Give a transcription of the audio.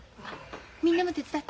みんなも手伝って。